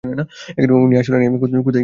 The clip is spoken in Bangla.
উনি আসলে নেই, কোথায় গিয়েছেন কেউ জানে না।